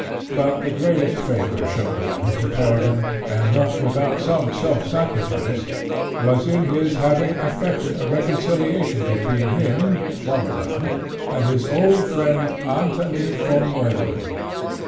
But the greatest favour shown by Mr. Peregrine, and not without some self sacrifice, was in his having effected a reconciliation between him (Swammerdamm) and his old friend, Antony von Leuwenhock.